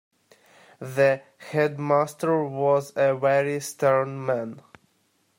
The headmaster was a very stern man